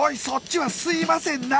そっちは「すいません」